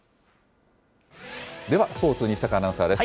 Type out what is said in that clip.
ではスポーツ、西阪アナウンサーです。